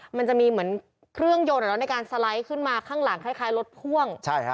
มันจะมีเหมือนเครื่องยนต์ในการสไลด์ขึ้นมาข้างหลังคล้ายรถพ่วง